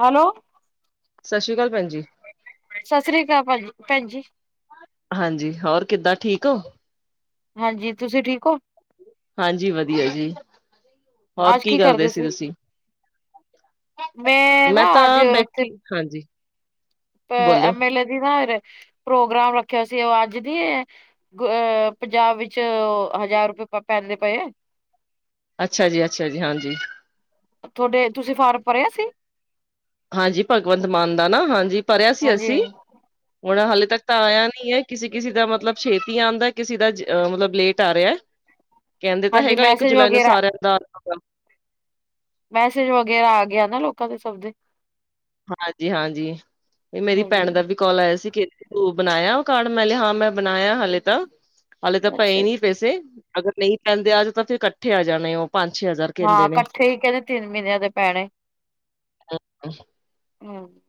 Hello ਸਤਿ ਸ਼੍ਰੀ ਕਾਲ ਭੈਣਜੀ ਸਤਿ ਸ੍ਰੀ ਅਕਾਲ ਭਾਜੀ ਭੈਣ ਜੀ ਹਾਂਜੀ, ਹੋਰ ਕਿੱਦਾਂ ਠੀਕ ਔ? ਹਾਂਜੀ, ਤੁਸੀਂ ਠੀਕ ਹੋ? ਹਾਂਜੀ ਵਧੀਆ ਜੀ, ਹੋਰ ਕੀ ਕਰਦੇ ਸੀ ਤੁਸੀਂ? ਮੈਂ ਤਾਂ ਬੈਠੀ, ਹਾਂਜੀ ਅ ਬੋਲਿਓ, ਐਮ ਐਲ ਏ ਦੀ ਨਾ ਰ ਪ੍ਰੋਗਰਾਮ ਰੱਖਿਆ ਸੀ, ਉਹ ਅੱਜ ਦੀਏ ਗੁ ਅ ਪੰਜਾਬ ਵਿੱਚ ਔ ਹਜ਼ਾਰ ਰੁਪਏ ਪ ਪੈਂਦੇ ਪਏ ਏ ਅੱਛਾ ਜੀ, ਅੱਛਾ ਜੀ, ਹਾਂਜੀ ਤੁਹਾਡੇ, ਤੁਸੀਂ ਫਾਰਮ ਭਰਿਆ ਸੀ? ਹਾਂਜੀ, ਭਗਵੰਤ ਮਾਨ ਦਾ ਨਾ, ਹਾਂਜੀ ਭਰਿਆ ਸੀ ਹਾਂਜੀ ਅਸੀਂ। ਹੁਣ ਹਾਲੇ ਤੱਕ ਤਾਂ ਆਇਆ ਨੀ ਏ, ਕਿਸੀ-ਕਿਸੀ ਦਾ ਮਤਲਬ ਛੇਤੀ ਆਂਉਦਾ, ਕਿਸੀ ਦਾ ਅ ਮਤਲਬ ਲੇਟ ਆ ਰਿਹਾ ਏ। ਕਹਿੰਦੇ ਤਾਂ ਹਾਂਜੀ ਹੈਗਾ ਏ, ਇਕ ਮੈਸੇਜ ਜੁਲਾਈ ਨੂੰ ਵਗੈਰਾ ਸਾਰਿਆਂ ਦਾ ਮੈਸੇਜ ਵਗੈਰਾ ਆ ਗਿਆ ਨਾ ਲੋਕਾਂ ਦੇ ਸਭ ਦੇ ਹਾਂਜੀ, ਹਾਂਜੀ, ਇਹ ਮੇਰੀ ਭੈਣ ਹਾਂਜੀ ਦਾ ਵੀ ਕਾਲ ਆਇਆ ਸੀ ਕਿ ਤੂੰ ਬਣਾਇਆ ਉਹ ਕਾਰਡ, ਮੈ ਹਾਂ ਮੈਂ ਬਣਾਇਆ ਹਾਲੇ ਤਾਂ ਹਾਲੇ ਤਾਂ ਪਏ ਅੱਛਾ ਨੀ ਅੱਛਾ ਪੈਸੇ, ਅਗਰ ਨਹੀ ਪੈਂਦੇ ਅੱਜ, ਤਾਂ ਫੇਰ ਇਕੱਠੇ ਆ ਜਾਣੇ ਉਹ ਪੰਜ- ਛੇ ਹਜ਼ਾਰ ਕਹਿੰਦੇ ਨੇ ਠੀਕ ਏ ਨਾ, ਤਿੰਨ ਮਹੀਨਿਆਂ ਦੇ ਪੈਣੇ ਹੂੰ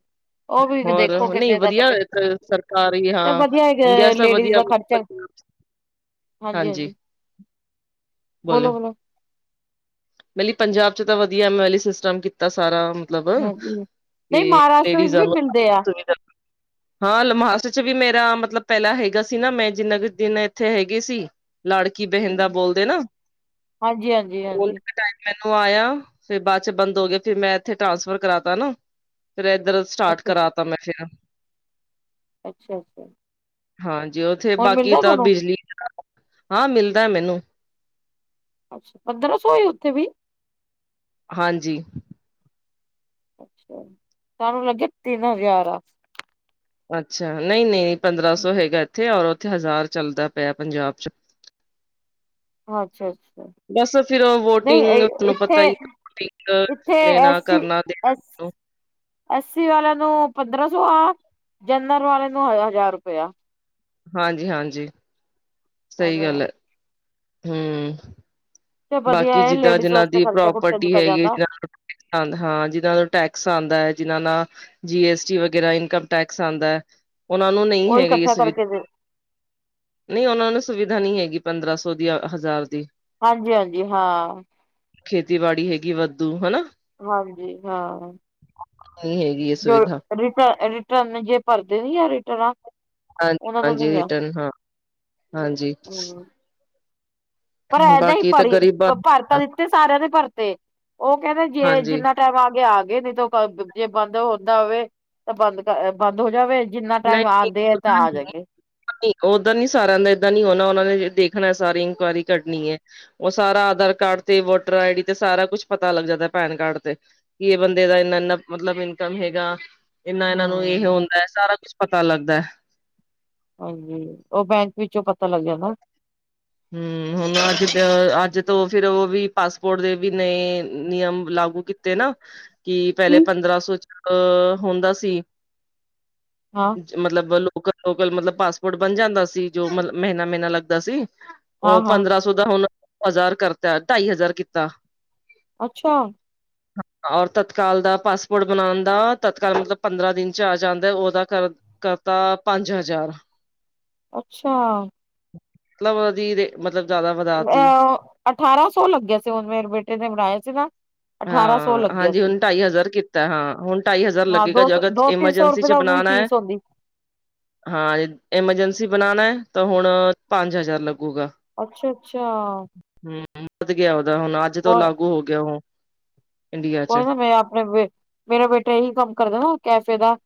ਹੋਰ, ਨਹੀ ਵਧੀਆ ਅ ਸਰਕਾਰੀ ਹਾਂ ਵਧੀਆ ਇੰਡੀਆ 'ਚ ਤਾਂ ਲੇਡੀਜ਼ ਵਧੀਆ ਦਾ [inaudible] ਖਰਚਾ ਹਾਂਜੀ, ਹਾਂਜੀ ਬੋਲੋ-ਬੋਲੋ ਮੇਲੀ ਪੰਜਾਬ 'ਚ ਤਾਂ ਵਧੀਆ ਐਮਲੀ ਸਿਸਟਮ ਕੀਤਾ ਸਾਰਾ ਮਤਲਬ, ਹਾਂਜੀ ਨਹੀਂ ਕਿ ਮਹਾਰਾਸ਼ਟਰ ਵਿੱਚ ਲੇਡੀਜ਼ਾ ਵੀ ਨੂੰ ਮਿਲਦੇ ਆ। ਸੁਵਿਧਾ ਹਾਂ ਲਮਹਾਸਟਰ 'ਚ ਵੀ ਮੇਰਾ ਮਤਲਬ ਪਹਿਲਾਂ ਹੈਗਾ ਸੀ ਨਾ ਮੈਂ ਜਿੰਨਾ ਕੁ ਦਿਨ ਇੱਥੇ ਹੈਗੀ ਸੀ ਲਾੜਕੀ ਬਹਿੰਨ ਦਾ ਬੋਲਦੇ ਨਾ ਹਾਂਜੀ, ਹਾਂਜੀ ਹਾਂਜੀ ਬੋਲਦੇ ਟਾਈਮ ਮੈਨੂੰ ਆਇਆ। ਫੇਰ ਬਾਅਦ 'ਚ ਬੰਦ ਹੋ ਗਿਆ ਫਿਰ ਮੈਂ ਇੱਥੇ ਟਰਾਂਸਫਰ ਕਰਾਤਾ ਨਾ, ਫਿਰ ਏਧਰ ਸਟਾਰਟ ਅੱਛਾ ਜੀ ਕਰਾਤਾ, ਮੈਂ ਫਿਰ ਅੱਛਾ-ਅੱਛਾ ਹਾਂਜੀ। ਉੱਥੇ ਹੁਣ ਬਾਕੀ ਮਿਲਦਾ ਤਾਂ ਤੁਹਾਨੂੰ ਬਿਜਲੀ ਦਾ ਹਾਂ ਮਿਲਦਾ ਮੈਨੂੰ ਅੱਛਾ! ਪੰਦਰਾਂ ਸੌ ਹੋਈ ਉੱਥੇ ਵੀ ਹਾਂਜੀ ਅੱਛਾ, ਸਾਨੂੰ ਲੱਗਿਆ ਤਿੰਨ ਹਜ਼ਾਰ ਆ ਅੱਛਾ, ਨਹੀ -ਨਹੀ ਪੰਦਰਾਂ ਸੌ ਹੈਗਾ ਇੱਥੇ, ਔਰ ਉੱਥੇ ਹਜ਼ਾਰ ਚੱਲਦਾ ਪਿਆ ਪੰਜਾਬ 'ਚ ਅੱਛਾ, ਅੱਛਾ। ਬਸ ਫਿਰ ਉਹ ਨਹੀ ਅਈ ਵੋਟਿੰਗ ਤੁਹਾਨੂੰ ਇੱਥੇ, ਪਤਾ ਹੀ ਹੈ ਵੋਟਿੰਗ ਇੱਥੇ ਲੈਣਾ ਐਸੀ, ਕਰਨਾ ਅਸੀਂ ਦੇਣਾ ਐਸੀ ਵਾਲਿਆਂ ਨੂੰ ਪੰਦਰਾਂ ਸੌ ਆ, ਜਨਰਲ ਵਾਲੇ ਨੂੰ ਹਜ਼ਾਰ- ਹਜ਼ਾਰ ਰੁਪਇਆ ਹਾਂਜੀ, ਹਾਂਜੀ। ਸਹੀ ਐਵੇਂ ਆ ਗੱਲ ਏ, ਹੂੰ ਤੇ ਵਧੀਆ ਬਾਕੀ ਏ ਜਿੱਦਾਂ ਲੇਡੀਜ਼ ਜਿਨਾਂ ਵਾਸਤੇ ਦੀ ਖਰਚਾ ਖੁਰਚਾ ਪ੍ਰੋਪਰਟੀ ਨਿਕਲ ਹੈਗੀ ਏ ਜਾਂਦਾ ਆਂਉਦਾ ਹਾਂ, ਜਿਨਾਂ ਦਾ ਟੈਕਸ ਆਂਉਦਾ ਏ ਜਿਨਾਂ ਨਾ ਜੀ ਐਸ ਟੀ ਵਗੈਰਾ, ਇਨਕਮ ਟੈਕਸ ਆਂਉਦਾ, ਉਨਾ ਨੂੰ ਨਹੀ ਉਹੀ ਹੈਗੀ ਏ ਇਕੱਠਾ ਸੁਵਿ ਕਰਕੇ ਦੇ ਨਹੀ ਉਨਾਂ ਨੂੰ ਸੁਵਿਧਾ ਨੀ ਹੈਗੀ ਪੰਦਰਾਂ ਸੌ ਦੀ, ਔ ਹਜ਼ਾਰ ਦੀ ਹਾਂਜੀ, ਹਾਂਜੀ ਹਾਂ ਖੇਤੀਬਾੜੀ ਹੈਗੀ ਵਾਧੂ, ਹਨਾ ਹਾਂਜੀ, ਹਾਂ ਨਹੀਂ ਹੈਗੀ ਹੈ ਸੁਵਿਧਾ ਰਿਟਰ -ਰਿਟਰਨ ਜੇ ਭਰਦੇ ਨੀ ਆ ਰਿਟਰਨਾਂ ਹਾਂਜੀ ਉਹਨਾਂ ਨੂੰ -ਹਾਂਜੀ ਨੀ ਆ ਰਿਟਰਨ ਹਾਂ। ਹਾਂਜੀ ਹੂੰ ਪਰ ਇਹਦਾਂ ਹੀ ਬਾਕੀ ਤਾਂ ਭਰੀ, ਗ਼ਰੀਬਾਂ ਭਰ ਦਿੱਤੇ। ਸਾਰਿਆਂ ਦੇ ਭਰਤੇ, ਉਹ ਕਹਿੰਦੇ ਜੇ ਹਾਂਜੀ ਜਿੰਨਾ ਟਾਈਮ ਆ ਕੇ ਆ ਗਏ ਨ ਤਾਂ ਜੇ ਬੰਦ ਹੁੰਦਾ ਹੋਵੇ ਤਾਂ ਬੰਦ -ਬੰਦ ਹੋ ਜਾਵੇ। ਜਿੰਨਾ ਲ ਟਾਈਮ ਦ ਆਉਂਦੇ ਹੈ ਤਾਂ ਆ ਜਾਗੇ [unintelligible] ਓਦਰ ਨੀ ਸਾਰਿਆਂ ਦਾ ਏਦਾਂ ਨੀ ਹੋਣਾ, ਉਹਨਾਂ ਨੇ ਦੇਖਣਾ, ਸਾਰੀ ਇਨਕੁਆਇਰੀ ਕਰਨੀ ਏ। ਉਹ ਸਾਰਾ ਆਧਾਰ ਕਾਰਡ ਤੇ ਵੋਟਰ ਆਈ ਡੀ ਤੇ ਸਾਰਾ ਕੁਛ ਪਤਾ ਲੱਗ ਜਾਂਦਾ ਪੈਨ ਕਾਰਡ ਤੇ। ਕੀ ਇਹ ਬੰਦੇ ਦਾ ਇੰਨਾ-ਇੰਨਾ ਮਤਲਬ ਇਨਕਮ ਹੈਗਾ। ਏਨਾ ਇਹਨਾਂ ਨੂੰ ਹਾਂ ਇਹ ਹੁੰਦਾ, ਸਾਰਾ ਕੁਝ ਪਤਾ ਲੱਗਦਾ। ਹਾਂਜੀ, ਉਹ ਬੈਂਕ ਵਿੱਚੋਂ ਪਤਾ ਲੱਗ ਜਾਂਦਾ। ਹੂੰ, ਹੁਣ ਅੱਜ-ਅੱਜ ਤੋਂ ਫਿਰ ਉਹ ਵੀ ਪਾਸਪੋਰਟ ਦੇ ਵੀ ਨਏ ਨਿਯਮ ਲਾਗੂ ਕੀਤ ਤੇ ਨਾ, ਕੀ ਪਹਿਲੇ ਪੰਦਰਾਂ ਸੌ ਚ ਹੁੰਦਾ ਸੀ। ਹਾਂ। ਮਤਲਬ ਲੋਕਲ-ਲੋਕਲ ਮਤਲਬ ਪਾਸਪੋਰਟ ਬਣ ਜਾਂਦਾ ਸੀ, ਜੋ ਮਤਲਬ ਮਹੀਨਾ-ਮਹੀਨਾ ਲੱਗਦਾ ਸੀ। ਹਾਂ ਉਹ ਹਾਂ ਪੰਦਰਾਂ ਸੌ ਦਾ ਹੁਣ ਹਜ਼ਾਰ ਕਰਤਾ, ਢਾਈ ਹਜ਼ਾਰ ਕੀਤਾ। ਅੱਛਾ। [inaudible] ਔਰ ਤਤਕਾਲ ਦਾ ਪਾਸਪੋਰਟ ਬਣਾਣ ਦਾ, ਤਤਕਾਲ ਮਤਲਬ ਪੰਦਰਾਂ ਦਿਨ ਚ ਆ ਜਾਂਦਾ, ਉਹਦਾ ਕਰਨ ਕਰਤਾ ਪੰਜ ਹਜ਼ਾਰ। ਅੱਛਾ। ਮਤਲਬ ਜਿਹਦੇ ਮਤਲਬ ਜ਼ਿਆਦਾ ਵਦਾ ਅਹ ਅਠਾਰਾਂ ਸੌ ਲੱਗਿਆ ਸੀ, ਉਹ ਮੇਰੇ ਬੇਟੇ ਨੇ ਬਣਾਇਆ ਸੀ ਨਾ। ਅਠਾਰਾਂ ਸੌ ਹਾਂ।, ਲੱਗਿਆ ਹਾਂਜੀ ਸੀ ਹੁਣ ਢਾਈ ਹਜ਼ਾਰ ਕੀਤਾ ਹਾਂ, ਹੁਣ ਢਾਈ ਹਜ਼ਾਰ ਲੱਗੇਗਾ ਜਗਾ ਐਮਰਜੈਂਸੀ ਚ ਬਣਾਣਾ। ਸੋਡੀ ਹਾਂ, ਐਮਰਜੈਂਸੀ ਬਣਾਣਾ ਆ, ਤਾਂ ਹੁਣ ਪੰਜ ਹਜ਼ਾਰ ਲੱਗੂਗਾ। ਅੱਛਾ-ਅੱਛਾ। ਹੂੰ, ਵੱਧ ਗਿਆ ਉਹਦਾ, ਹੁਣ ਅੱਜ ਤੋਂ ਕੋਈ ਲਾਗੂ ਹੋ ਗਿਆ ਉਹ। ਇੰਡੀਆ ਚ ਕੋਈ ਨਾ ਮੈਂ ਆਪਣੇ ਬੇ ਮੇਰਾ ਬੇਟਾ ਇਹੀ ਕੰਮ ਕਰਦਾ ਨਾ ਕੈਫੇ ਦਾ,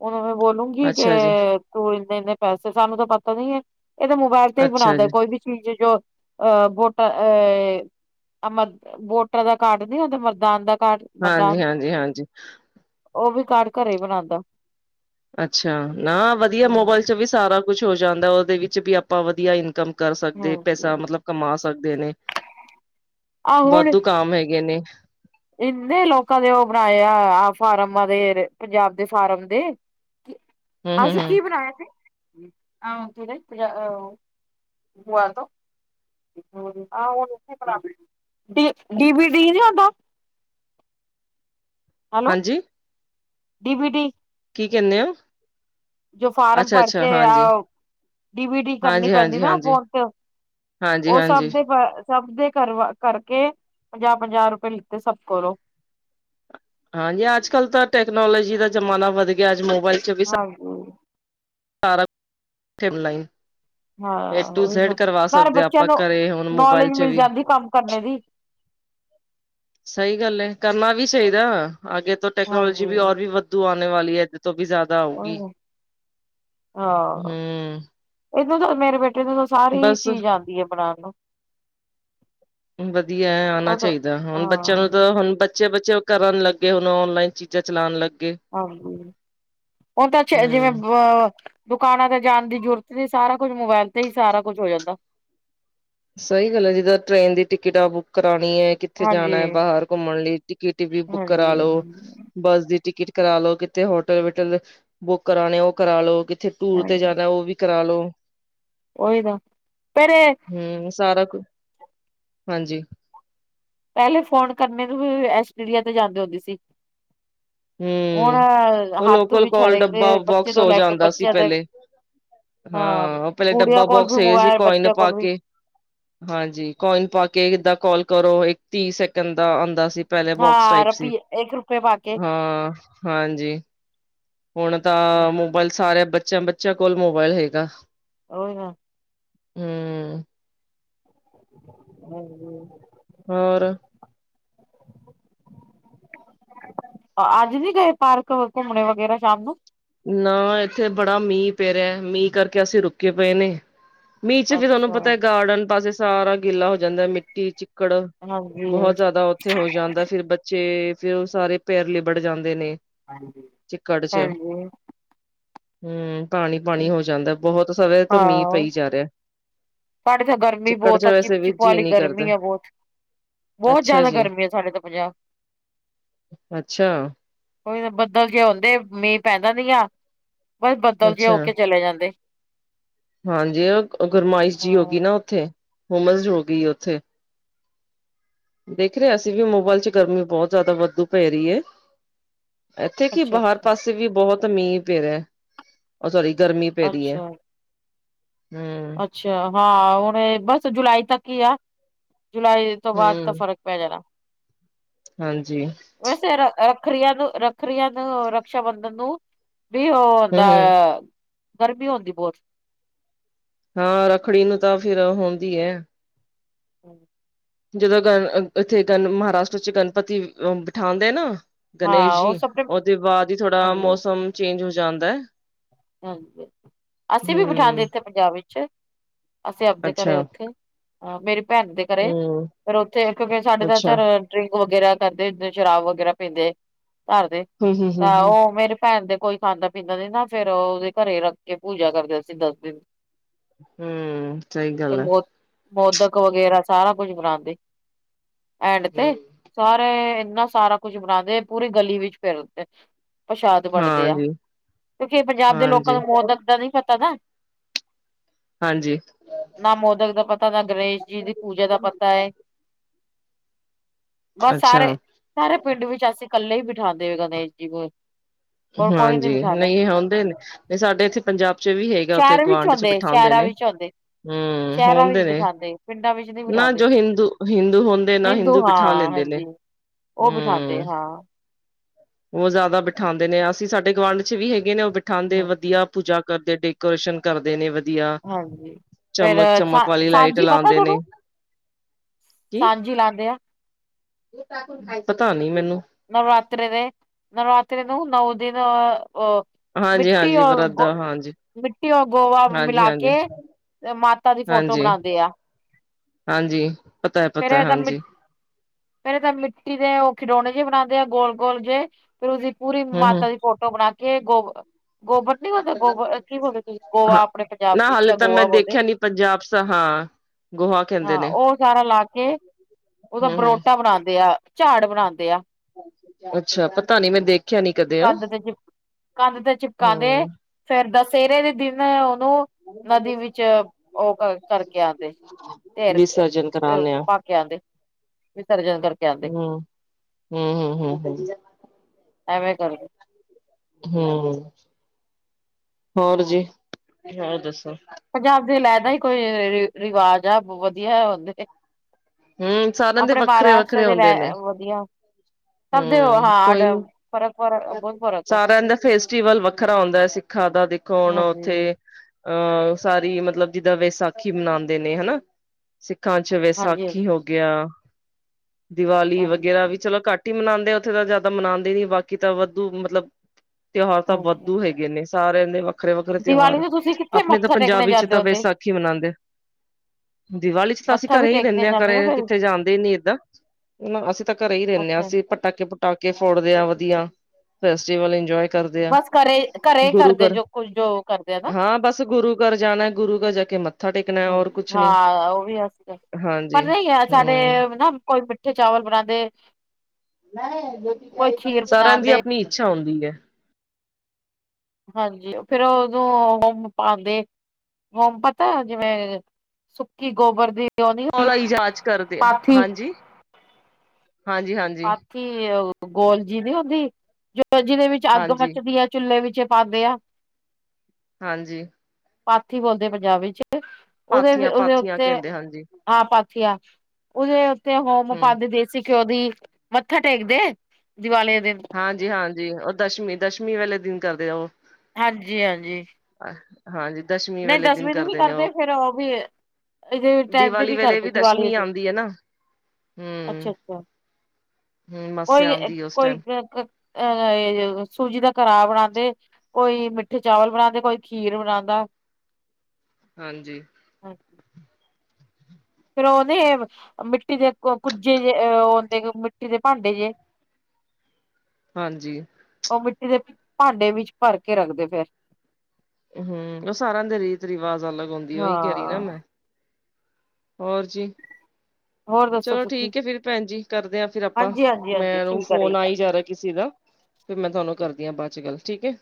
ਉਹਨੂੰ ਮੈਂ ਬੋਲੂੰ ਠੀਕ ਅੱਛਾ ਜੀ ਏ, ਤੂੰ ਇੰਨੇ-ਇੰਨੇ ਪੈਸੇ ਸਾਨੂੰ ਤਾਂ ਪਤਾ ਨੀ ਐ, ਇਹ ਤਾਂ ਮੋਬਾਇਲ ਤੇ ਹੀ ਅੱਛਾ ਬਣਾਂਦਾ ਜੀ ਕੋਈ ਵੀ। ਠੀਕ ਏ, ਜੋ ਅਹ ਵੋਟਾ ਇਹ ਅਹ ਮਤ ਵੋਟਰਾਂ ਦਾ ਕਾਰਡ ਨੀ ਹੁੰਦੇ, ਮਤਦਾਨ ਦਾ ਕਾਰਡ। ਮਤਦਾਨ ਹਾਂਜੀ-ਹਾਂਜੀ-ਹਾਂਜੀ। ਉਹ ਵੀ ਕਾਰਡ ਘਰੇ ਈ ਬਣਾਂਦਾ। ਅੱਛਾ, ਨਾ ਵਧੀਆ ਹਮ ਮੋਬਾਇਲ ਚ ਵੀ ਸਾਰਾ ਕੁਛ ਹੋ ਜਾਂਦਾ, ਉਹਦੇ ਵਿੱਚ ਵੀ ਆਪਾਂ ਵਧੀਆ ਇਨਕਮ ਕਰ ਸਕਦੇ, ਪੈਸਾ ਹਾਂਜੀ ਮਤਲਬ ਕਮਾ ਸਕਦੇ ਨੇ। ਆਹ ਹੁਣ ਵਾਧੂ ਕਾਮ ਹੈਗੇ ਨੇ। ਇੰਨੇ ਲੋਕਾਂ ਦੇ ਉਹ ਬਣਾਏ ਆ, ਆਹ ਫਾਰਮਾਂ ਦੇ ਪੰਜਾਬ ਦੇ ਫਾਰਮ ਦੇ। ਹਮ ਹਮ ਆਸ਼ੂ ਹਮ ਕੀ ਬਣਾਇਆ ਸੀ। ਆਹ ਤੁਰੇ ਪਾਹ ਹੋਆ ਤੋਂ ਡੀ ਬੀ ਡੀ ਨੀ ਆਉਂਦਾ। ਹਾਂਜੀ। D B T. ਕੀ ਕਹਿੰਨੇ ਓ। ਜੋ ਫਾਰਮ ਭਰ ਕੇ ਆਓ। ਡੀ ਬੀ ਡੀ ਕਰਨੀ ਹਾਂਜੀ ਪੈਂਦੀ ਆ ਹਾਂਜੀ ਨਾ ਹਾਂਜੀ ਫੋਨ ਚ, ਤੇ ਹਾਂਜੀ ਉਹ ਸਭ ਹਾਂਜੀ ਦੇ ਬਾ ਸਭ ਦੇ ਕਰਵਾ ਕਰਕੇ ਪੰਜਾਹ-ਪੰਜਾਹ ਰੁਪਏ ਲਿੱਤੇ ਸਭ ਕੋਲੋਂ। ਹਾਂਜੀ, ਅੱਜ-ਕੱਲ੍ਹ ਤਾਂ ਟੈਕਨੋਲੋਜੀ ਦਾ ਜ਼ਮਾਨਾ ਵੱਧ ਗਿਆ, ਅੱਜ ਮੋਬਾਇਲ ਚ ਵੀ ਹਾਂਜੀ। ਸਾਰਾ ਟਿਮ ਲਾਈਨ ਹਾਂ ਏ ਟੂ ਉਹੀ ਜੇਡ ਨਾ ਕਰਵਾ ਨਾਲੇ ਸਕਦੇ ਆਂ, ਬੱਚਿਆਂ ਆਪਾਂ ਨੂੰ ਘਰੇ ਹੁਣ ਮੋਬਾਇਲ ਨੌਲੇਜ ਚ ਮਿਲ ਵੀ। ਜਾਂਦੀ ਕੰਮ ਕਰਨੇ ਦੀ ਸਹੀ ਗੱਲ ਏ ਕਰਨਾ ਵੀ ਚਾਹੀਦਾ, ਆਗੇ ਤੋ ਟੈਕਨੋਲੋਜੀ ਹਾਂਜੀ ਵੀ ਔਰ ਵੀ ਵਾਧੂ ਆਣੇ ਵਾਲੀ ਐ, ਇਹਦੇ ਤੋਂ ਵੀ ਜ਼ਿਆਦਾ ਆਊਗੀ। ਉਹੀ ਹਾਂ, ਹਮ ਇਹਨੂੰ ਤਾਂ ਮੇਰੇ ਬੇਟੇ ਨੂੰ ਤਾਂ ਸਾਰੀ ਬਸ ਚੀਜ਼ ਆਂਦੀ ਐ ਬਣਾਣ ਨੂੰ। ਵਧੀਆ ਆਉਣਾ ਉਹ ਤਾਂ ਚਾਹੀਦਾ, ਹੁਣ ਬੱਚਿਆਂ ਹਾਂ ਨੂੰ ਤਾਂ ਹੁਣ ਬੱਚੇ-ਬੱਚੇ ਉਹ ਕਰਨ ਲੱਗੇ ਹੁਣ ਔਨਲਾਈਨ ਚੀਜ਼ਾਂ ਚਲਾਣ ਲੱਗੇ। ਹਾਂਜੀ, ਉਹ ਤਾਂ ਅੱਛਾ ਜਿਵੇ ਹਮ ਬ ਦੁਕਾਨਾਂ ਤੇ ਜਾਣ ਦੀ ਜ਼ਰੂਰਤ ਨਹੀਂ ਸਾਰਾ ਕੁਝ ਮੋਬਾਇਲ ਤੇ ਹੀ ਸਾਰਾ ਕੁੱਛ ਹੋ ਜਾਂਦਾ। ਸਹੀ ਗੱਲ ਹੈ ਜਿੱਦਾਂ ਟ੍ਰੇਨ ਦੀ ਟਿਕਟਾਂ ਬੁੱਕ ਕਰਾਣੀ ਏ ਇੱਥੇ ਜਾਣਾ ਹੈ ਹਾਂਜੀ, ਬਾਹਰ ਘੁੰਮਣ ਲਈ ਟਿਕਟ ਵੀ ਬੁੱਕ ਹਾਂਜੀ ਕਰਾ ਲੋ। ਬੱਸ ਦੀ ਟਿਕਟ ਕਰਾ ਲੋੋ ਕਿਤੇ ਹੋਟਲ ਵਟਲ ਬੁੱਕ ਕਰਾਣੇ ਉਹ ਕਰਾਲੋ। ਕਿੱਥੇ ਟੂਰ ਤੇ ਹਾਂਜੀ ਜਾਣਾ ਉਹ ਵੀ ਕਰਾਲੋ। ਉਹੀ ਤਾਂ, ਪਰ ਇਹ ਹੂੰ ਸਾਰਾ ਕੁ, ਹਾਂਜੀ। ਪਹਿਲੇ ਫੋਨ ਕਰਨੇ ਤੋਂ ਐਸ ਟੀਡੀਆ ਤੇ ਜਾਂਦੇ ਹੁੰਦੇ ਸੀ। [inaudible] ਹੁਣ ਹੂੰ, ਉਹ ਹੱਥ ਲੋਕਲ ਵਿੱਚ ਕੋਲ ਹਰੇਕ ਦੇ ਡੱਬਾ ਬੱਚੇ ਬੋਕਸ ਤੋਂ ਹੋ ਲੈ ਕੇ ਜਾਂਦਾ ਸੀ ਬੱਚਿਆਂ ਦੇ ਪਹਿਲੇ। ਹਾਂ ਉਹ ਪਹਿਲੇ ਗੁੜੀਆਂ ਡੱਬਾ ਕੋਲ ਬੋਕਸ ਵੀ ਸੀਗੇ ਸੀ ਮੋਬਾਇਲ ਕੋਆਇਨ ਬੱਚਿਆਂ ਪਾ ਕੋਲ ਵੀ ਕੇ। ਹਾਂਜੀ ਕੋਆਇਨ ਪਾ ਕੇ ਜਿੱਦਾਂ ਕੋਲ ਕਰੋ ਇੱਕ ਤੀਹ ਸੈਕਿੰਡ ਦਾ ਆਂਦਾ ਸੀ ਪਹਿਲੇ ਬੋਕਸ ਟਾਈਪ ਸੀ। ਏਕ ਰੁਪਏ ਬਾ ਹਾਂ, ਹਾਂਜੀ। ਹੁਣ ਤਾਂ ਮੋਬਾਇਲ ਸਾਰਿਆਂ ਬੱਚਿਆਂ-ਬੱਚਿਆਂ ਕੋਲ ਮੋਬਾਇਲ ਹੈਗਾ। ਉਹ ਨਾ ਹੂੰ ਹੂੰ-ਹੂੰ। ਹੋਰ ਅੱਜ ਨੀ ਗਏ ਪਾਰਕ ਘੁੰਮਣੇ ਵਗੈਰਾ ਸ਼ਾਮ ਨੂੰ? ਨਾ ਇੱਥੇ ਬੜਾ ਮੀਂਹ ਪੈ ਰਿਹਾ, ਮੀਂਹ ਕਰਕੇ ਅਸੀਂ ਰੁਕੇ ਪਏ ਨੇ। ਮੀਂਹ 'ਚ ਫਿਰ ਤੁਹਾਨੂੰ ਅੱਛਾ ਪਤਾ ਐ ਗਾਰਡਨ ਪਾਸੇ ਸਾਰਾ ਗਿੱਲਾ ਹੋ ਜਾਂਦਾ ਮਿੱਟੀ 'ਚ ਕੜ, ਹਾਂਜੀ, ਬਹੁਤ ਜ਼ਿਆਦਾ ਇੱਥੇ ਹੋ ਜਾਂਦਾ ਸੀ ਬੱਚੇ ਫਿਰ ਉਹ ਸਾਰੇ ਪੈਰ ਲਿਬੜ ਜਾਂਦੇ ਨੇ। ਹਾਂ ਜੀ, ਭੈਣ ਜੀ ਹੂੰ ਪਾਣੀ-ਪਾਣੀ ਹੋ ਜਾਂਦਾ ਬਹੁਤ ਸਬੇ ਤੋਂ ਮੀਂਹ ਹਾਂ ਪਈ ਜਾ ਰਿਹਾ। ਸਾਡੇ ਇੱਥੇ ਗਰਮੀ ਚਿੱਕੜ ਚ ਬਹੁਤ ਆ ਵੈਸੇ ਵੀ ਚਿਪਚਿਪ ਜੀਅ ਵਾਲੀ ਨਹੀਂ ਗਰਮੀ ਕਰਦਾ ਏ ਬਹੁਤ। ਬਹੁਤ ਅੱਛਾ ਜ਼ਿਆਦਾ ਜੀ ਗਰਮੀ ਏ ਸਾਡੇ ਤਾਂ ਪੰਜਾ ਅੱਛਾ ਉਹੀ ਨਾ ਬੱਦਲ ਜਿਹੇ ਆਉਂਦੇ ਮੀਂਹ ਪੈਂਦਾ ਨੀ ਆ, ਬਸ ਬੱਦਲ ਜੇ ਹੋ ਅੱਛਾ ਕੇ ਚਲੇ ਜਾਂਦੇ। ਹਾਂਜੀ ਉਹ ਗੁਰਮਾਇਸ਼ ਜੀ ਹੋ ਗਈ ਹਾਂ ਨਾ ਉੱਥੇ, ਹੁਮਸ ਹੋ ਗਈ ਉੱਥੇ। ਦੇਖ ਰਹੇ ਅਸੀਂ ਵੀ ਮੋਬਾਇਲ 'ਚ ਗਰਮੀ ਬਹੁਤ ਜ਼ਿਆਦਾ ਵਾਧੂ ਪੈ ਰਹੀ ਐ। ਇੱਥੇ ਕੀ ਅੱਛਾ ਬਾਹਰ ਅੱਛਾ ਪਾਸੇ ਵੀ ਬਹੁਤ ਮੀਂਹ ਪੇ ਰਿਹਾ। ਉਹ ਸੋਰੀ ਗਰਮੀ ਪੈ ਰਹੀ ਏ। ਅੱਛਾ ਹੂੰ ਅੱਛਾ ਹਾਂ ਹੁਣ ਬਸ ਜੁਲਾਈ ਤੱਕ ਹੀ ਆ। ਜੁਲਾਈ ਤੋਂ ਬਾਅਦ ਤਾਂ ਹਮ ਫ਼ਰਕ ਪੈ ਜਾਣਾ। ਹਾਂਜੀ ਵੈਸੇ ਰ ਰੱਖਰੀਆਂ ਨੂੰ ਰੱਖਰੀਆਂ ਨੂੰ ਰਕਸ਼ਾ ਬੰਧਨ ਨੂੰ ਵੀ ਉਹ ਹਮ ਹੁੰਦਾ, ਹਮ ਗਰਮੀ ਹੁੰਦੀ ਬਹੁਤ। ਹਾਂ ਰੱਖੜੀ ਨੂੰ ਤਾਂ ਫਿਰ ਹੋਂਦੀ ਐ। [unintelligible] ਜਦੋਂ ਗ ਇੱਥੇ ਗਨ ਮਹਾਰਾਸ਼ਟਰ 'ਚ ਗਣਪਤੀ ਅ ਬਿਠਾਦੇ ਨਾ ਗਣੇਸ਼ ਹਾਂ ਜੀ, ਉਹ ਸਭ ਉਹਦੇ ਬਾਅਦ ਹੀ ਥੋੜਾ ਮੌਸਮ ਚੇਂਜ ਹੋ ਜਾਂਦਾ ਐ। ਹਾਂ ਜੀ, ਅਸੀਂ ਵੀ ਬਿਠਾ ਦਿਤੇ ਪੰਜਾਬ ਵਿੱਚ। ਅਸੀਂ ਆਵਦੇ ਘਰੇ ਅੱਛਾ ਉੱਥੇ। ਅ ਮੇਰੀ ਭੈਣ ਦੇ ਘਰੇ, ਹਮ ਫਿਰ ਉੱਥੇ ਕਿਉਂਕਿ ਸਾਡੇ ਤਾਂ ਅੱਛਾ ਚਰ ਡਰਿੰਕ ਵਗੈਰਾ ਕਰਦੇ ਹੁੰਦੇ ਸ਼ਰਾਬ ਵਗੈਰਾ ਪੀਂਦੇ, ਘਰ ਦੇ। ਹਮ ਹਮ ਤਾਂ ਹਮ ਹਮ ਆਹੋ, ਮੇਰੀ ਭੈਣ ਦੇ ਕੋਈ ਖਾਂਦਾ -ਪੀਂਦਾ ਨੀ ਨਾ। ਫੇਰ ਉਹਦੇ ਘਰੇ ਰੱਖ ਕੇ ਪੂਜਾ ਕਰਦੇ ਸੀ ਦਸ ਦਿਨ। ਹੂੰ, ਸਹੀ ਗੱਲ ਆ। ਮੋਤ ਮੋਦਕ ਵਗੈਰਾ ਸਾਰਾ ਕੁਝ ਬਣਾਉਦੇ, ਐਂਡ 'ਤੇ। ਸਾਰੇ ਇੰਨਾ ਸਾਰਾ ਕੁਛ ਬਣਾਂਦੇ, ਪੂਰੀ ਗਲੀ ਵਿੱਚ ਫਿਰ ਉਥੇ ਪ੍ਰਸ਼ਾਦ ਵੰਡਦੇ ਆ। ਹਾਂਜੀ ਕਿਉਂਕਿ ਪੰਜਾਬ ਦੇ ਲੋਕਾਂ ਹਾਂਜੀ ਨੂੰ, ਮੌਦਤ ਦਾ ਨਹੀਂ ਪਤਾ ਨਾ। ਹਾਂਜੀ। ਨਾ ਮੋਦਕ ਦਾ ਪਤਾ, ਨਾ ਗਣੇਸ਼ ਜੀ ਦੀ ਪੂਜਾ ਦਾ ਪਤਾ ਏ। ਬਸ ਸਾਰੇ, ਅੱਛਾ ਸਾਰੇ ਪਿੰਡ ਵਿੱਚ ਅਸੀਂ ਕੱਲੇ ਹੀ ਬਿਠਾਂਦੇ ਆ ਗਣੇਸ਼ ਜੀ ਕੋਲ। ਹਾਂਜੀ, ਨਹੀਂ ਹੋਂਦੇ ਨੇ। ਸਾਡੇ ਇੱਥੇ ਪੰਜਾਬ 'ਚ ਵੀ ਹੇਗਾ, ਉੱਥੇ ਸ਼ਹਿਰ ਵਿੱਚ ਗੁਆਂਢ 'ਚ ਹੁੰਦੇ ਬਿਠਾਉਂਦੇ ਸ਼ਹਿਰਾਂ ਨੇ। ਵਿੱਚ ਹੁੰਦੇ ਹੂੰ, ਸ਼ਹਿਰਾਂ ਹੁੰਦੇ ਵਿੱਚ ਨੇ, ਬਿਠਾਉਂਦੇ ਪਿੰਡਾਂ ਵਿੱਚ ਨਹੀਂ ਨਾ ਬਿਠਾਉਂਦੇ ਜੋ ਹਿੰਦੂ, ਹਿੰਦੂ ਹੁੰਦੇ ਨਾ ਹਿੰਦੂ ਬਿਠਾ ਲੈਂਦੇ। ਨੇ ਜੀ, ਉਹ ਬਿਠਾਂਦੇ, ਹਾਂ। ਓ ਜ਼ਿਆਦਾ ਬਿਠਾਂ ਅਸੀਂ, ਸਾਡੇ ਗੁਆਂਢ 'ਚ ਵੀ ਹੈਗੇ ਨੇ ਉਹ ਬਿਠਾਂਦੇ, ਵਧੀਆ ਪੂਜਾ ਕਰਦੇ, ਡੈਕੋਰੇਸ਼ਨ ਕਰਦੇ ਨੇ ਵ ਹਾਂਜੀ, ਫਿਰ ਸਾ ਵਾਲੀ ਲਾਈਟ ਸਾਂਝੀ ਪਤਾ ਲਾਉਂਦੇ ਨੇ ਤੁਹਾਨੂੰ? ਕੀ ਸਾਂਝੀ ਲਾਂਦੇ ਆ। ਪਤਾ ਨੀ ਮੈਨੂੰ। ਨਵਰਾਤਰੇ ਦੇ, ਨਵਰਾਤਰੇ ਨੂੰ ਨੌ ਦਿਨ ਓਹ ਹਾਂਜੀ ਮਿੱਟੀ ਹਾਂਜੀ ਔਰ ਗੋ, ਵਰਦਾ ਹਾਂਜੀ ਮਿੱਟੀ ਔਰ ਗੋਵਾ ਹਾਂਜੀ ਹਾਂਜੀ ਮਿਲਾਕੇ ਤੇ ਮਾਤਾ ਦੀ ਫੋਟੋ ਹਾਂਜੀ ਬਣਾਂਦੇ ਆ। ਹਾਂਜੀ, ਪਤਾ ਏ ਫੇਰ ਪਤਾ, ਇਹਦਾ ਮਿੱ ਹਾਂਜੀ। ਪਹਿਲੇ ਤਾਂ ਮਿੱਟੀ ਦੇ ਉਹ ਖਿਡੌਣੇ ਜਿਹੇ ਬਣਾਂਦੇ ਆ, ਗੋਲ-ਗੋਲ ਜੇ। ਫਿਰ ਉਸਦੀ ਪੂਰੀ ਹਮ ਮਾਤਾ ਦੀ ਫੋਟੋ ਬਣਾਕੇ, ਗੋਬਰ, ਗੋਬਰ ਕੀ ਹੁੰਦਾ ਗੋਆ? ਕੀ ਬੋਲਦੇ ਤੁਸੀਂ? ਗੋਆ? ਹਾਂ ਆਪਣੇ ਪੰਜਾਬ ਨਾ ਵਿੱਚ ਹਾਲੇ ਤਾਂ ਮੈਂ ਗੋਆ ਬੋਲਦੇ। ਦੇਖਿਆ ਨੀ ਪੰਜਾਬ ਸ ਹਾਂ ਗੋਹਾ ਕਹਿੰਦੇ ਹਾਂ, ਨੇ ਉਹ ਸਾਰਾ ਲਾਕੇ ਉਹਦਾ ਹੂੰ ਹੂੰ ਬਰੋਟਾ ਬਣਾਂਦੇ ਆ। ਝਾੜ ਬਣਾਂਦੇ ਆ। ਅੱਛਾ, ਪਤਾ ਨੀ ਮੈਂ ਦੇਖਿਆ ਨੀ ਕਦੇ ਉਹ ਕੰਧ ਤੇ ਚਿਪ, ਕੰਧ ਤੇ ਚਿਪਕਾਦੇ, ਹੂੰ ਫੇਰ ਦਸਹਿਰੇ ਦੇ ਦਿਨ ਉਹਨੂੰ ਨਦੀ ਵਿੱਚ, ਉਹ ਕਰਕੇ ਆਂਦੇ। ਤੇੇਰ ਕੇ ਵਿਸਰਜਨ ਕਰਾਨੇ ਆ ਪਾਕੇ ਆਂਦੇ, ਵਿਸਰਜਨ ਕਰਕੇ ਆਂਦੇ। ਹੂੰ ਹੂੰ, ਹੂੰ, ਹੂੰ, ਹ [unintelligible] ਐਵੇ ਕਰ ਹੂੰ, ਹੋਰ ਜੀ? ਹੋਰ ਦੱਸੋ? ਪੰਜਾਬ ਦੇ ਅਲੈਦਾ ਹੀ ਕੋਈ ਰਿਵਾਜ ਆ, ਵਧੀਆ ਹੋਂਦੇ ਨੇ। ਹੂੰ, ਸਾਰਿਆਂ ਦੇ ਵੱਖਰੇ-ਵੱਖਰੇ ਦੇ ਹੁੰਦੇ ਨੇ। ਰਹਿ ਵਧੀਆ। ਸਭ ਦੇ ਹੂੰ, ਕੋਈ ਹਾਂ ਨੀ ਫਰਕ ਫਰਕ ਬਹੁਤ ਫ਼ਰਕ ਆ ਸਾਰਿਆਂ ਦਾ ਫੇਸਟੀਵਲ ਵੱਖਰਾ ਹੁੰਦਾ ਅਸੀ ਸਿੱਖਾ ਦਾ ਦੇਖੋ, ਹੁਣ ਹਾਂਜੀ ਉੱਥੇ ਅਹ, ਸਾਰੀ ਮਤਲਬ ਜਿੱਦਾਂ ਵੇਸਾਖੀ ਮਨਾਂਦੇ ਨੇ, ਹਨਾ। ਸਿੱਖਾਂ 'ਚ ਹਾਂਜੀ ਵਿਸਾਖੀ ਹੋਗਿਆ, ਦੀਵਾਲੀ ਹਾਂਜੀ ਵਗੈਰਾ ਵੀ, ਚਲੋ ਘੱਟ ਕੀ ਮਨਾਂਦੇ? ਉੱਥੇ ਤਾਂ ਜਿਆਦਾ ਮਨਾਂਦੇ ਨੀ। ਬਾਕੀ ਤਾਂ ਵਾਧੂ ਮਤਲਬ, ਤਿਉਹਾਰ ਤਾਂ ਹਾਂਜੀ ਵਾਧੂ ਹੈਗੇ ਨੇ। ਸਾਰਿਆਂ ਦੇ ਵੱਖਰੇ-ਵੱਖਰੇ ਦੀਵਾਲੀ ਤਿਉਹਾਰ, ਨੂੰ ਤੁਸੀਂ ਕਿੱਥੇ ਆਪਣੇ ਤਾਂ ਮੱਥਾ ਪੰਜਾਬ ਟੇਕਣੇ ਵਿਚ ਜਾਂਦੇ ਤਾ ਹੁੰਦੇ ਵੇਸਾਖੀ ਮਨਾਂਦੇ। ਦੀਵਾਲੀ 'ਚ ਤਾਂ ਅਸੀਂ ਮੱਥਾ ਵੀ ਘਰੇ ਹੀ ਟੇਕਣੇ ਰਹਿੰਨੇ ਆ, ਜਾਂਦੇ ਨਾ ਘਰੇ ਫਿਰ ਕਿੱਥੇ ਜਾਂਦੇ ਹੀ ਨੀ, ਏਦਾਂ। ਨਾ, ਅਸੀਂ ਤਾਂ ਘਰੇ ਹੀ ਰਹਿੰਦੇ ਆ, ਅੱਛਾ ਅਸੀਂ ਪਟਾਕੇ-ਪੁਟਾਕੇ ਫੋੜਦੇ ਆ ਵਧੀਆ, ਫੇਸਟੀਵਲ ਇੰਜੋਏ ਕਰਦੇ ਆ, ਬਸ ਘਰੇ ਘਰੇ ਗੁਰੂ ਕਰਦੇ ਘਰ, ਜੋ ਕੁਝ ਜੋ ਕਰਦੇ ਆ ਨਾ ਹਾਂ ਬਸ ਗੁਰੂ ਘਰ ਜਾਣਾ ਗੁਰੂ ਘਰ ਜਾਕੇ ਮ ਮੱਥਾ ਟੇਕਣਾ, ਔਰ ਕੁਛ ਨੀ। ਹਾਂ ਉਹ ਵੀ ਅਸੀਂ ਪਰ ਹਾਂਜੀ ਨਹੀਂ ਅ ਸਾਡੇ ਹਮ ਨਾ, ਕੋਈ ਮਿੱਠੇ ਚਾਵਲ ਬਣਾਂਦੇ ਸਾਰਿਆਂ ਦੀ ਬਣਾਉਂਦੇ ਆਪਣੀ ਇੱਛਾ ਹੁੰਦੀ ਹੈ। ਹਾਂਜੀ ਫੇਰ ਉਦੋਂ ਉਹ ਆਪਦੇ ਗੋਮਪਤਾ, ਜਿਵੇਂ ਸੁੱਕੀ ਗੋਬਰ ਦੀ ਉਹ ਨੀ ਇਜਾਜ ਕਰਦੇ ਆ ਪਾਥੀ ਹਾਂਜੀ- ਹਾਂਜੀ ਹਾਂਜੀ। ਕਿ ਗੋਲਜੀ ਨਹੀਂ ਦੀ ਹੁੰਦੀ ਜੋ ਜਿਦੇ ਵਿੱਚ ਅੱਗ ਹਾਂਜੀ ਮੱਚਦੀ ਹੈ। ਚੁੱਲ੍ਹੇ ਵਿੱਚ ਪਾਂਦੇ ਆ। ਹਾਂਜੀ ਪਾਥੀ ਬੋਲਦੇ ਪੰਜਾਬੀ ਵਿੱਚ ਉਹਦੇ ਪਾਥੀਆਂ ਉਹਦੇ ਪਾਥੀਆਂ ਉੱਤੇ। ਕਹਿੰਦੇ ਹਾਂਜੀ ਹਾਂ, ਪਾਥੀਆ ਉਦੇ ਉੱਤੇ ਹੋਮ ਹਮ ਪਾਂਦੀ ਦੇਸੀ ਘਿਓ ਦੀ। ਮੱਥਾ ਟੇਕਦੇ ਦੀਵਾਲੀ ਦੇ ਦਿਨ। ਹਾਂਜੀ -ਹਾਂਜੀ ਉਹ ਦਸਮੀ ਦਸ਼ਮੀ ਵਾਲੇ ਦਿਨ ਕਰਦੇ ਆ ਉਹ ਹਾਂਜੀ- ਹਾਂਜੀ, ਅਹ ਹਾਂਜੀ ਦਸ਼ਮੀ ਨਹੀਂ ਵਾਲੇ ਦਿਨ ਦਸਵੀਂ ਤੋਂ ਵੀ ਨੇ ਕਰਦੇ ਫੇਿਰ ਉਹ ਵੀ ਇਦੇ ਟੈਮ ਤੇ ਦੀਵਾਲੀ ਵੀ ਵੇਲੇ ਕਰਦੇ ਦੀਵਾਲੀ ਦਸ਼ਮੀ ਅੱਛਾ- ਆਉਂਦੀ ਹੈ ਨਾ ਹਮ ਅੱਛਾ। ਹਮ ਮੱਸਿਆ ਕੋਈ ਆਉਂਦੀ ਉਸ ਕੋਈ ਟਾਈਮ ਅਹ ਸੂਜੀ ਦਾ ਕੜਾਹ ਬਣਾਦੇ। ਕੋਈ ਮਿੱਠੇ ਚਾਵਲ ਬਣਾਂਦੇ, ਕੋਈ ਖੀਰ ਬਣਾਂਦਾ। ਹਾਂਜੀ ਹਮ ਫੇਰ ਉਹ ਮਿੱਟੀ ਦੇ ਕੁੱਜੇ ਜੇ ਉਹਦੇ ਮਿੱਟੀ ਦੇ ਭਾਂਡੇ ਜੇ ਹਾਂਜੀ ਉਹ ਮਿੱਟੀ ਦੇ ਭਾਂਡੇ ਵਿੱਚ ਭਰ ਕੇ ਰੱਖਦੇ ਫੇਰ। ਹਮ, ਉਹ ਸਾਰਿਆਂ ਦੇ ਰੀਤ ਰਿਵਾਜ਼ ਅਲੱਗ ਹੁੰਦੀ ਓਹੀ ਕਹਿ ਰਹੀ ਨਾ ਹਾਂ ਮੈਂ ਹੋਰ ਜੀ ਹੋਰ ਦੱਸੋ ਚਲੋ ਤੁਸੀਂ ਠੀਕ ਹੈ, ਫਿਰ ਭੈਣ ਜੀ ਕਰਦੇ ਹਾਂ। ਫਿਰ ਆਪਾਂ ਹਾਂਜੀ ਹਾਂਜੀ ਹਾਂਜੀ ਮੈਨ ਠੀਕ ਫੋਨ ਠੀਕ ਆ ਹੀ ਜਾ ਰਿਹਾ ਕਿਸੇ ਦਾ, ਫਿਰ ਮੈਂ ਤੁਹਾਨੂੰ ਕਰਦੀ ਆ ਬਾਅਦ ਚ ਗੱਲ ਠੀਕ ਹੈ।